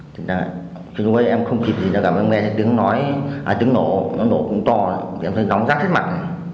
thì em không kịp gì để nghe tiếng nói à tiếng nổ nó nổ cũng to em thấy nóng rác hết mặt